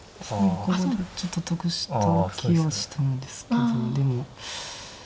ここでちょっと得した気はしたんですけどでも。